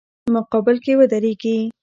مقابل کې ودریږي.